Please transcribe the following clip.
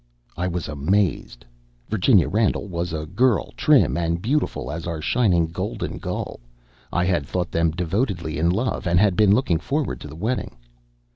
I was amazed. Virginia Randall was a girl trim and beautiful as our shining Golden Gull. I had thought them devotedly in love, and had been looking forward to the wedding.